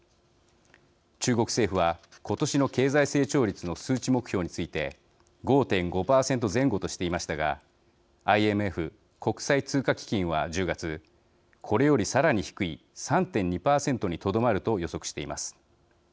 中国政府は今年の経済成長率の数値目標について５．５％前後としていましたがＩＭＦ＝国際通貨基金は１０月これよりさらに低い３．２％にとどまると予測しています。